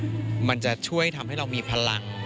พี่ว่าความมีสปีริตของพี่แหวนเป็นตัวอย่างที่พี่จะนึกถึงเขาเสมอ